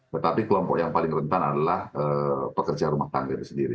tetapi kelompok yang paling rentan adalah pekerja rumah tangga itu sendiri